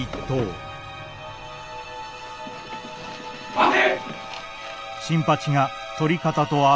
・待て！